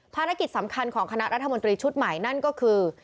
ภารกิจสำคัญของคณะรัฐมนตรีชุดใหม่นั่นก็คือ